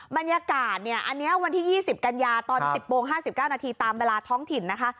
บรรยากาศเนี่ยอันนี้วันที่๒๐กันยาตอน๑๐โมง๕๙นาทีตามเวลาท้องถิ่นนะคะ